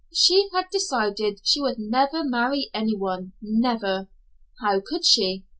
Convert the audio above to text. She had decided she would never marry any one never. How could she!